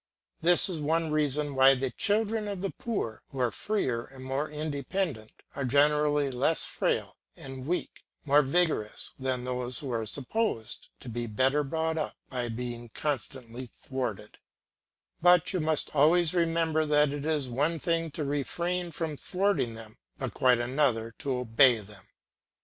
This is one reason why the children of the poor, who are freer and more independent, are generally less frail and weakly, more vigorous than those who are supposed to be better brought up by being constantly thwarted; but you must always remember that it is one thing to refrain from thwarting them, but quite another to obey them.